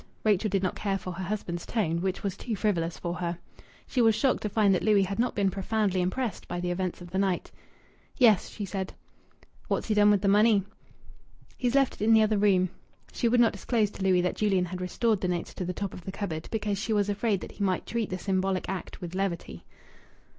Rachel did not care for her husband's tone, which was too frivolous for her. She was shocked to find that Louis had not been profoundly impressed by the events of the night. "Yes," she said. "What's he done with the money?" "He's left it in the other room." She would not disclose to Louis that Julian had restored the notes to the top of the cupboard, because she was afraid that he might treat the symbolic act with levity.